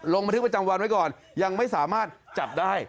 ลงบันทึกประจำวันไว้ก่อนยังไม่สามารถจับได้